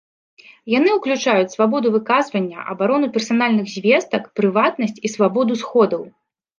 Яны ўключаюць свабоду выказвання, абарону персанальных звестак, прыватнасць і свабоду сходаў.